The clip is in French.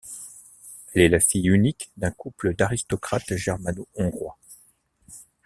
Elle est la fille unique d'un couple d'aristocrates germano-hongrois.